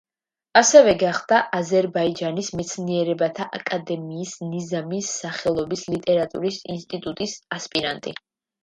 ასევე გახდა აზერბაიჯანის მეცნიერებათა აკადემიის ნიზამის სახელობის ლიტერატურის ინსტიტუტის ასპირანტი.